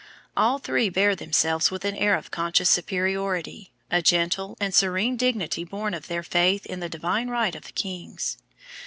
All three bear themselves with an air of conscious superiority, a gentle and serene dignity born of their faith in the divine right of kings.